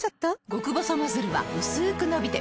極細ノズルはうすく伸びて